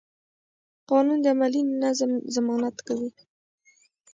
قانون د عملي نظم ضمانت کوي.